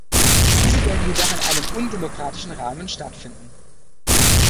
Diese werden jedoch in einem undemokratischen Rahmen stattfinden.